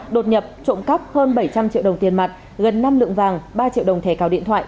đột nhập trộm cắp hơn bảy trăm linh triệu đồng tiền mặt gần năm lượng vàng ba triệu đồng thẻ cào điện thoại